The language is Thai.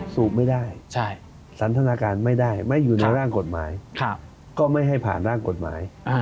สูบไม่ได้สันทนาการไม่ได้ไม่อยู่ในร่างกฎหมายก็ไม่ให้ผ่านร่างกฎหมาย